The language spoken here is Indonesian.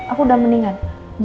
aku udah meningan